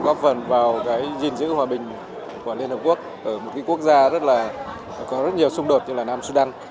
góp phần vào cái gìn giữ hòa bình của liên hợp quốc ở một cái quốc gia rất là có rất nhiều xung đột như là nam su đăng